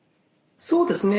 そうですね。